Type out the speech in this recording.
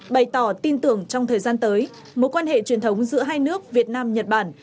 bày tỏ tin tưởng trong thời gian tới mối quan hệ truyền thống giữa hai nước việt nam nhật bản